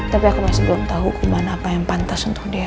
tapi aku masih belum tahu kuman apa yang pantas untuk dia